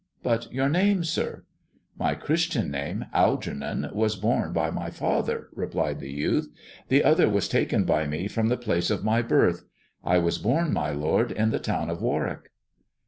" But your name, sir 1 " *'My Christian name, Algernon, was borne by my father," replied the youth, " the other was taken by me from the place of my birth. I was born, my lord, in the town of Warwick."